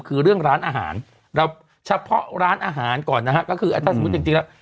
คือเรื่องร้านอาหารเราเฉพาะร้านอาหารก่อนนะฮะก็คือถ้าสมมุติจริงแล้ว